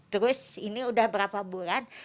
terus ini udah berapa bulan